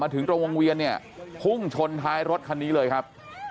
ถึงตรงวงเวียนเนี่ยพุ่งชนท้ายรถคันนี้เลยครับ